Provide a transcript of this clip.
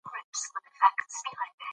د مېرمني چي بینا سوې دواړي سترګي